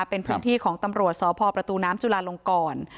เป็นพื้นที่ของตำรวจสพประตูน้ำจุลาลงกร